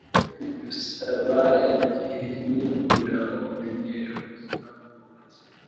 Bisaba igihe kinini kugirango umenyere ubuzima bwubatse.